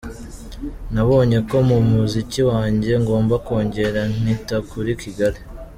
Nabonye ko mu muziki wanjye ngomba kongera nkita kuri Kigali…”.